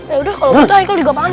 ya udah kalau gitu aikal juga panas